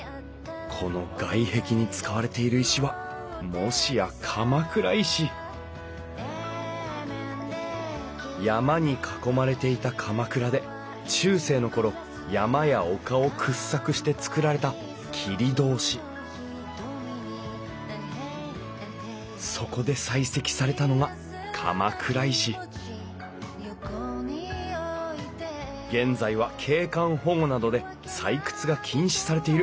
この外壁に使われている石はもしや鎌倉石山に囲まれていた鎌倉で中世の頃山や丘を掘削して造られた切通しそこで採石されたのが鎌倉石現在は景観保護などで採掘が禁止されている。